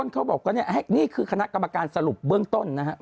เขาบอกว่านี่คือคณะกรรมการสรุปเบื้องต้นนะครับ